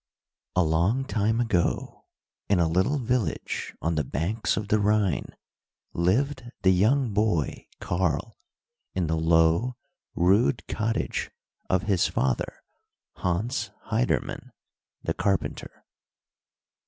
A long time ago, in a little village on the banks of the Rhine, lived the young boy Karl, in the low, rude cottage of his father, Hans Heidermann, the carpenter.